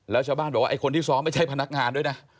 แล้วชาวบ้านบอกว่าไอ้คนที่ซ้อมไม่ใช่พนักงานด้วยนะ